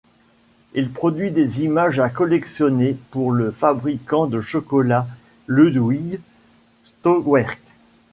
Il produit des images à collectionner pour le fabricant de chocolat Ludwig Stolwerck.